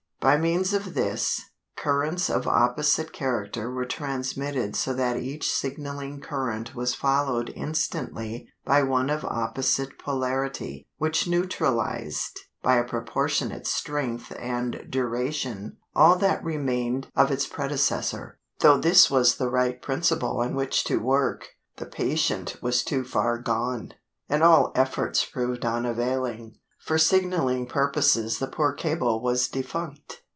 By means of this, currents of opposite character were transmitted so that each signaling current was followed instantly by one of opposite polarity, which neutralized, by a proportionate strength and duration, all that remained of its predecessor. Though this was the right principle on which to work, the "patient" was too far gone, and all efforts proved unavailing; for signaling purposes the poor cable was defunct.